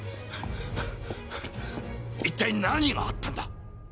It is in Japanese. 一体何があったんだ